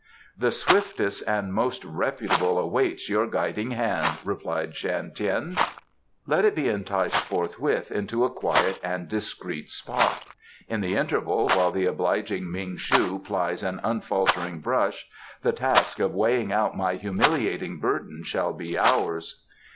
"The swiftest and most reputable awaits your guiding hand," replied Shan Tien. "Let it be enticed forth into a quiet and discreet spot. In the interval, while the obliging Ming shu plies an unfaltering brush, the task of weighing out my humiliating burden shall be ours."